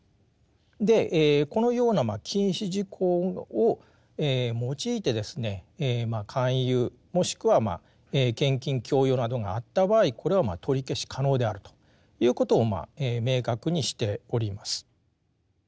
でこのような禁止事項を用いてですね勧誘もしくは献金強要などがあった場合これは取り消し可能であるということを明確にしております。